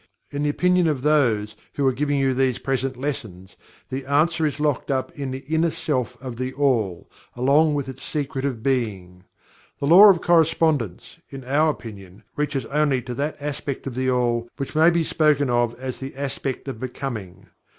In the opinion of those who are giving you these present lessons, the answer is locked up in the INNER SELF of THE ALL, along with its Secret of Being. The Law of Correspondence, in our opinion, reaches only to that aspect of THE ALL, which may be spoken of as "The Aspect of BECOMING."